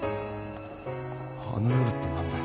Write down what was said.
「あの夜」って何だよ？